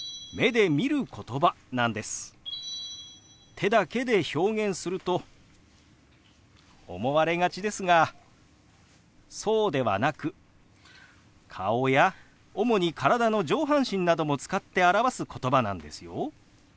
手だけで表現すると思われがちですがそうではなく顔や主に体の上半身なども使って表すことばなんですよ。